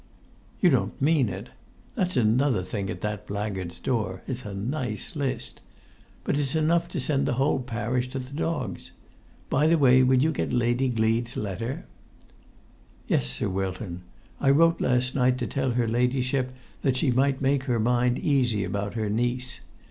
[Pg 86]"You don't mean it! That's another thing at that blackguard's door; it's a nice list! But it's enough to send the whole parish to the dogs. By the way, you would get Lady Gleed's letter?" "Yes, Sir Wilton. I wrote last night to tell her ladyship that she might make her mind easy about her niece.